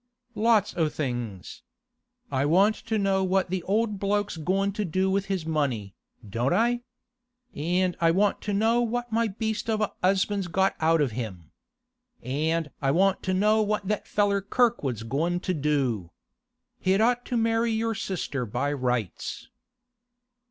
'Lots o' things. I want to know what the old bloke's goin' to do with his money, don't I? And I want to know what my beast of a 'usband's got out of him. And I want to know what that feller Kirkwood's goin' to do. He'd ought to marry your sister by rights.